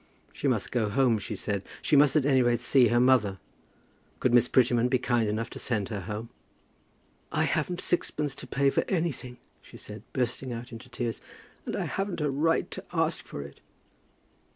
She must go home, she said. She must at any rate see her mother. Could Miss Prettyman be kind enough to send her home. "I haven't sixpence to pay for anything," she said, bursting out into tears; "and I haven't a right to ask for it."